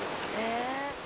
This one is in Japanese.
へえ。